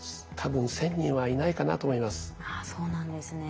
そうなんですね。